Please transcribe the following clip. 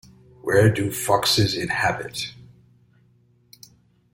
Where do foxes inhabit?